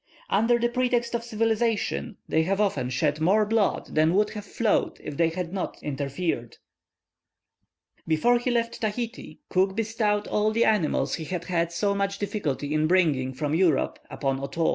Under the pretext of civilization, they have often shed more blood than would have flowed if they had not interfered. Before he left Tahiti, Cook bestowed all the animals he had had so much difficulty in bringing from Europe upon Otoo.